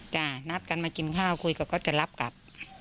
นัดกันมากินข้าวคุยกับก็จะรับกลับ